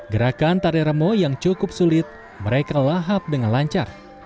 gerakan tari remo yang cukup sulit mereka lahap dengan lancar